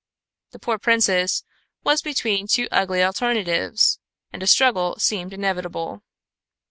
The poor princess was between two ugly alternatives, and a struggle seemed inevitable.